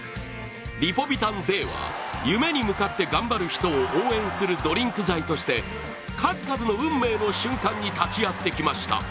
リポビタンＤは夢に向かって頑張る人を応援するドリンク剤として、数々の運命の瞬間に立ち会ってきました。